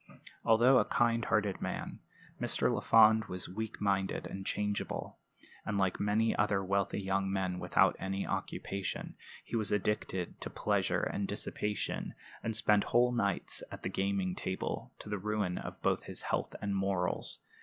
Although a kind hearted man, Mr. Lafond was weak minded and changeable; and like many other wealthy young men without any occupation, he was addicted to pleasure and dissipation, and spent whole nights at the gaming table, to the ruin of both his health and morals.